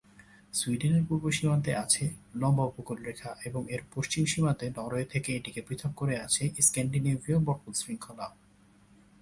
সুইডেনের পূর্ব সীমান্তে আছে লম্বা উপকূলরেখা, এবং এর পশ্চিম সীমান্তে, নরওয়ে থেকে এটিকে পৃথক করে, আছে স্ক্যান্ডিনেভীয় পর্বত শৃঙ্খলা।